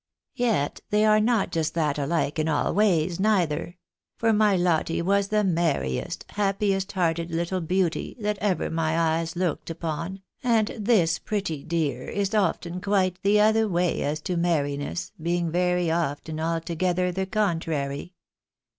Yet they are not just that alike in all ways neither; for my Lotte was the merriest, hajpiest hearted little beauty that ever my eyes looked upon, and this pretty dear is often quite the other way as to merriness, being very often alto gether the contrary.